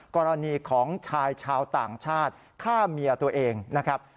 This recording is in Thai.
กรณีของชายชาวต่างชาติฆ่าเมียตัวเองนะครับ